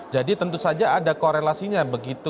jadi tentu saja ada korelasinya begitu